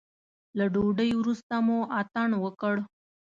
له ډوډۍ وروسته مو اتڼ وکړ.